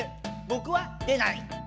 ぼくは出ない。